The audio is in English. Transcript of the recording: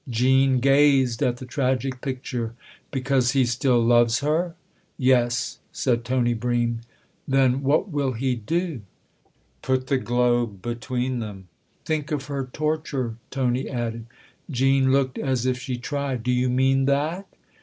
Jean gazed at the tragic picture. " Because he still loves her ?"" Yes," said Tony Bream. "Then what will he do?" " Put the globe between them. Think of her torture," Tony added. Jean looked as if she tried. " Do you mean that?"